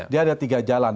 dia ada tiga jalan